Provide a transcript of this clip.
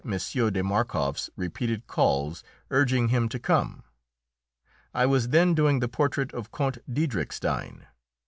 de Markoff's repeated calls urging him to come. I was then doing the portrait of Count Diedrichstein.